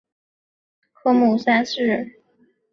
该马尔科姆历来被认为就是后来的马尔科姆三世。